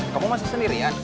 kamu masih sendirian